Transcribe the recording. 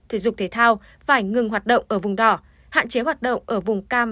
thể dục thể thao phải ngừng hoạt động ở vùng đỏ hạn chế hoạt động ở vùng cam